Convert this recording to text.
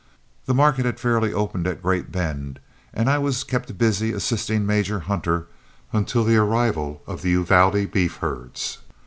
The market had fairly opened at Great Bend, and I was kept busy assisting Major Hunter until the arrival of the Uvalde beef herds.